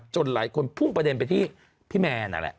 หลายคนพุ่งประเด็นไปที่พี่แมนนั่นแหละ